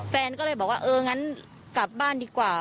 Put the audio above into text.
แฟนก็เลยบอกว่าเอองั้นกลับบ้านดีกว่า